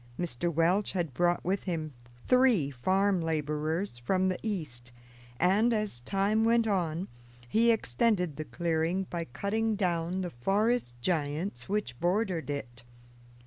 Mr. Welch had brought with him three farm laborers from the East, and, as time went on, he extended the clearing by cutting down the forest giants which bordered it.